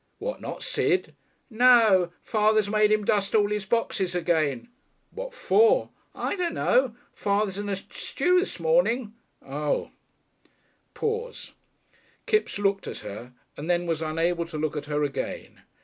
"What not Sid?" "No. Father's made him dust all his boxes again." "What for?" "I dunno. Father's in a stew 'smorning." "Oh!" Pause. Kipps looked at her, and then was unable to look at her again.